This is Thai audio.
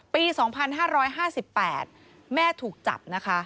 ปี๒๕๕๘แม่ถูกจับนะคะ